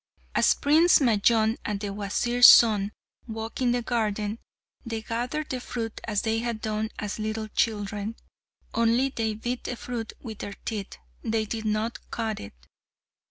As Prince Majnun and the Wazir's son walked in the garden, they gathered the fruit as they had done as little children, only they bit the fruit with their teeth; they did not cut it.